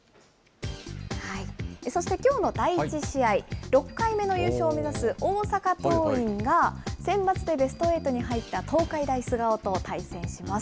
そしてきょうの第１試合、６回目の優勝を目指す大阪桐蔭が、センバツでベストエイトに入った東海大菅生と対戦します。